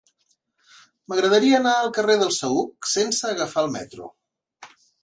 M'agradaria anar al carrer del Saüc sense agafar el metro.